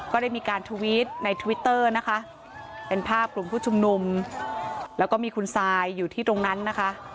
ก็ได้มีการทวิตในทวิตเตอร์นะคะเป็นภาพกลุ่มผู้ชุมนุมแล้วก็มีคุณซายอยู่ที่ตรงนั้นนะคะ